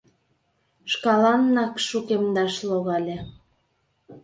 Шкаланнак шукемдаш логале.